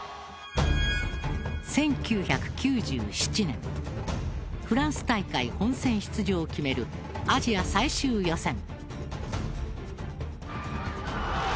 １９９７年フランス大会本戦出場を決めるアジア最終予選。